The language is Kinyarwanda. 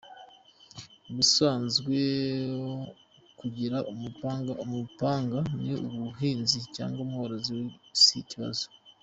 Ubusanzwe kugira umupanga uri umuhinzi cyangwa umworozi si ikibazo.